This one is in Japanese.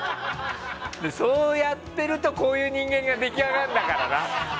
そうやってると、こういう人間が出来上がるんだからな。